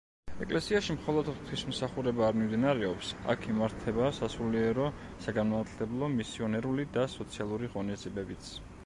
ეკლესიაში მხოლოდ ღვთისმსახურება არ მიმდინარეობს, აქ იმართება სასულიერო-საგანმანათლებლო, მისიონერული და სოციალური ღონისძიებებიც.